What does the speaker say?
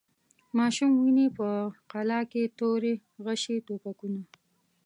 ماشوم ویني په قلا کي توري، غشي، توپکونه